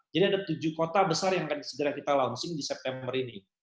jadi ada tujuh kota besar yang akan segera kita launching di september ini